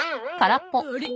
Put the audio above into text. あれ？